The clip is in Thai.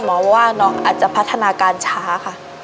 หมอบอกว่าน้องอาจจะพัฒนาการช้าค่ะ